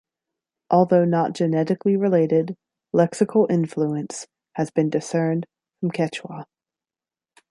Although not genetically related, lexical influence has been discerned from Quechua.